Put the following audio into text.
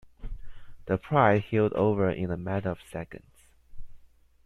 The "Pride" heeled over in a matter of seconds.